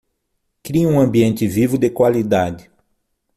Crie um ambiente vivo de qualidade